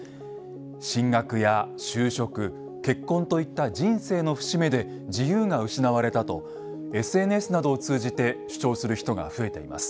進学や就職結婚といった人生の節目で自由が失われたとＳＮＳなどを通じて主張する人が増えています。